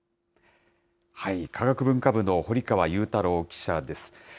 科学文化部の堀川雄太郎記者です。